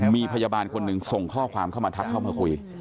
มีพยาบาลคนหนึ่งส่งข้อความเข้ามาทักเข้ามาคุย